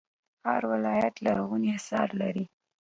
هر ولایت یې لرغوني اثار لري